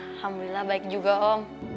alhamdulillah baik juga om